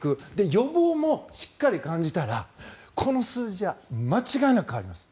予防もしっかり感じたらこの数字は間違いなく変わります。